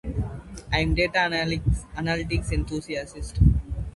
You just can't get there from here.